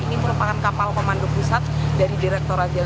ini merupakan kapal komando pusat dari direkturat jenderal